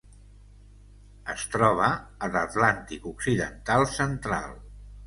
Es troba a l'Atlàntic occidental central.